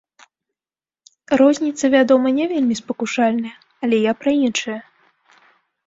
Розніца, вядома, не вельмі спакушальная, але я пра іншае.